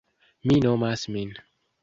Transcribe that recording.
Mi nomas min.